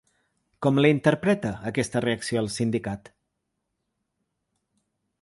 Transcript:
Com la interpreta, aquesta reacció, el sindicat?